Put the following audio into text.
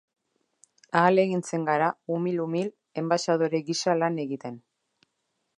Ahalegintzen gara umil-umil enbaxadore gisa lan egiten.